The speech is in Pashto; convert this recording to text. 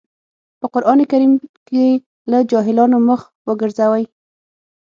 په قرآن کريم کې له جاهلانو مخ وګرځوئ.